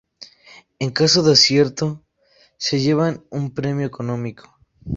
En caso de acierto, se llevan un premio económico.